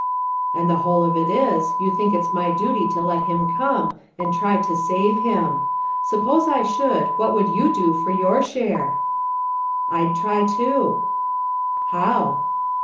"And the whole of it is, you think it's my duty to let him come, and try to save, him! Suppose I should, what would you do for your share?" "I'd try, too." "How?"